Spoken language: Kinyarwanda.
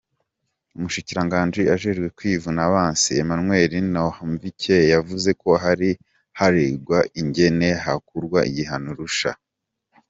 umushikiranganji ajejwe kwivuna abansi Emmanuel Ntahomvikiye yavuze ko hariko harigwa ingene hogarukawa igihano ruhasha.